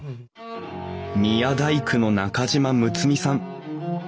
宮大工の中島睦巳さん。